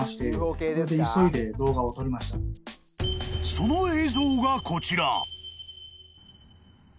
［その映像がこちら］